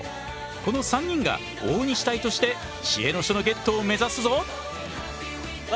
この３人が大西隊として知恵の書のゲットを目指すぞ。